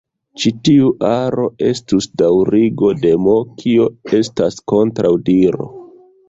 Ĉi tiu aro estus daŭrigo de "M", kio estas kontraŭdiro.